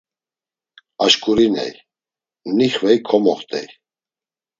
Aşǩuriney, nixvey komoxt̆ey.